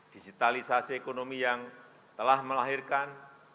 digitalisasi ekonomi yang telah melahirkan